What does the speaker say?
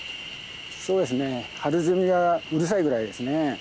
そうですねハルゼミがうるさいぐらいですね。